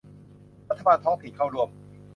รัฐบาลท้องถิ่นเข้าร่วม